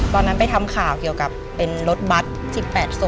ตอนนั้นไปทำข่าวเกี่ยวกับเป็นรถบัตร๑๘ศพ